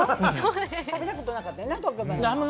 食べたことなかってんな？